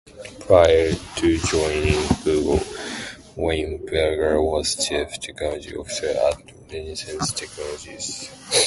Prior to joining Google, Weinberger was chief technology officer at Renaissance Technologies.